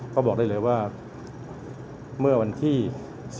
ต่อพูดเลยเลยว่าเมื่อวันที่๑๕เมื่อวานนี้